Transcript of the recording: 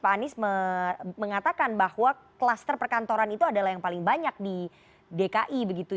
pak anies mengatakan bahwa kluster perkantoran itu adalah yang paling banyak di dki begitu